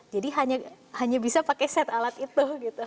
jadi hanya bisa pakai set alat itu